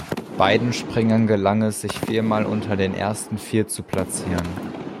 Beiden Springern gelang es, sich viermal unter den ersten vier zu platzierten.